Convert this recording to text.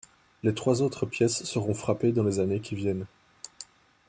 Les trois autres pièces seront frappées dans les années qui viennent.